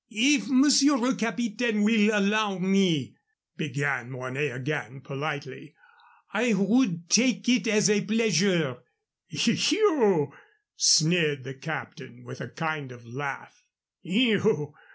"If Monsieur le Capitaine will allow me," began Mornay again, politely, "I would take it as a pleasure " "You!" sneered the captain, with a kind of laugh. "You!